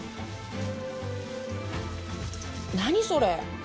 何それ。